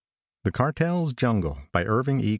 _] the cartels jungle _by ... Irving E.